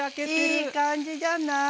いい感じじゃない？